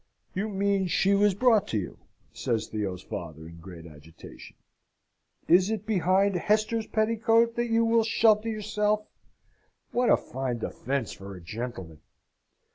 "You mean she was brought to you?" says Theo's father, in great agitation. "Is it behind Hester's petticoat that you will shelter yourself? What a fine defence for a gentleman!"